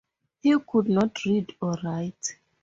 He could not read or write.